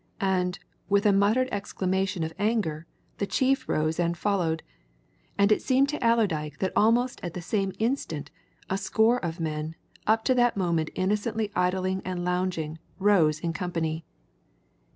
And with a muttered exclamation of anger, the chief rose and followed and it seemed to Allerdyke that almost at the same instant a score of men, up to that moment innocently idling and lounging, rose in company.